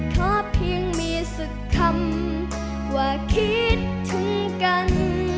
ขอเพียงมีสักคำว่าคิดถึงกัน